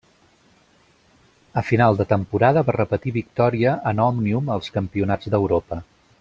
A final de temporada va repetir victòria en Òmnium als Campionats d'Europa.